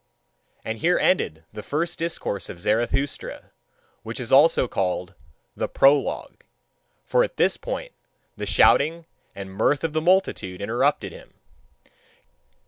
And here ended the first discourse of Zarathustra, which is also called "The Prologue": for at this point the shouting and mirth of the multitude interrupted him.